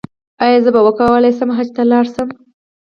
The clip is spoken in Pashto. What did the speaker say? ایا زه به وکولی شم حج ته لاړ شم؟